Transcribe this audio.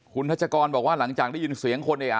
คุณทัชกรบอกว่าหลังจากได้ยินเสียงคนเนี่ย